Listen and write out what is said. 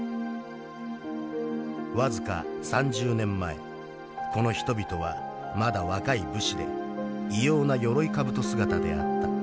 「僅か３０年前この人々はまだ若い武士で異様な鎧兜姿であった。